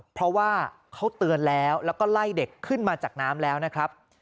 เพราะว่าเขาเตือนแล้วแล้วก็ไล่เด็กขึ้นมาจากน้ำแล้วนะครับ